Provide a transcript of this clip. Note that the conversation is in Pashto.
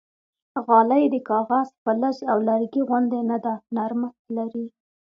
غالۍ د کاغذ، فلز او لرګي غوندې نه ده، نرمښت لري.